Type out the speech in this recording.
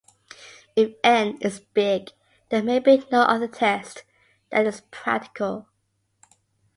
If "n" is big, there may be no other test that is practical.